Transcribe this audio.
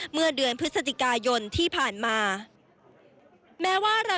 เมื่อเดือนพฤศติกายนที่ผ่านมา